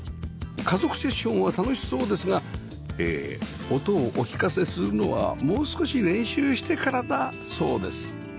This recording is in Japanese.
家族セッションは楽しそうですがえ音をお聴かせするのはもう少し練習してからだそうです